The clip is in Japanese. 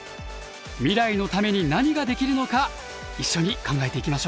未来のために何ができるのか一緒に考えていきましょう。